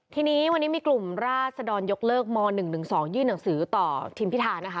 ทีนี้วันนี้มีกลุ่มราศดรยกเลิกม๑๑๒ยื่นหนังสือต่อทีมพิธานะคะ